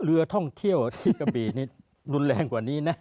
เรือท่องเที่ยวที่กระบี่นี่รุนแรงกว่านี้นะ